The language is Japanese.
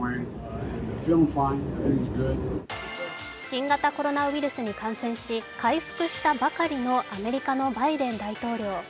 新型コロナウイルスに感染し回復したばかりのアメリカのバイデン大統領。